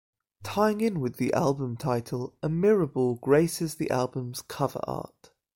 Tying in with the album title, a mirror ball graces the album's cover art.